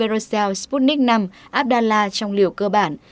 verocell sputnik v abdala trong liều cơ bản